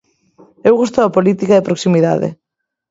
Eu gosto da política de proximidade.